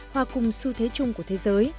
hòa cùng xu thế chung của thế giới